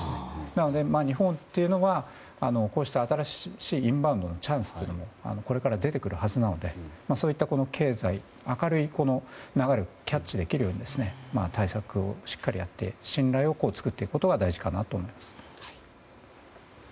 なので、日本というのはこうした新しいインバウンドのチャンスもこれから出てくるはずなのでそういった経済、明るい流れをキャッチできるように対策をしっかりやって信頼を作っていくことが大事かなと思います。